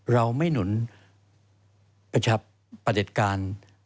เราไม่หนุนประชับประเด็จการ